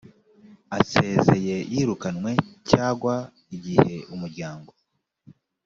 asezeye yirukanwe cyagwa igihe umuryango